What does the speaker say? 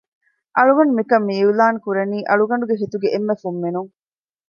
އަޅުގަނޑު މިކަން މިއިއުލާންކުރަނީ އަޅުގަނޑުގެ ހިތުގެ އެންމެ ފުންމިނުން